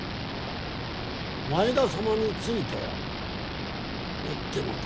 前田様については追ってまた。